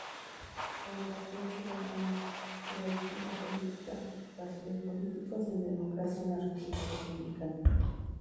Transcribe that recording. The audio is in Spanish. Soberanía Ciudadana; Subvertir la Política; y Partidos Políticos y Democracia en la República Dominicana.